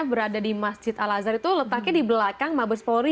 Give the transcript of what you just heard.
berada di masjid al azhar itu letaknya di belakang mabes polri